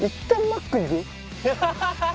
ハハハハ！